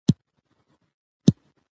کلي د افغان ځوانانو د هیلو استازیتوب کوي.